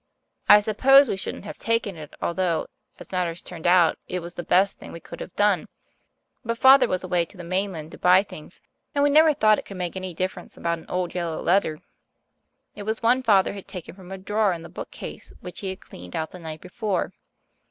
I suppose we shouldn't have taken it, although, as matters turned out, it was the best thing we could have done; but Father was away to the mainland to buy things, and we never thought it could make any difference about an old yellow letter. It was one Father had taken from a drawer in the bookcase which he had cleaned out the night before.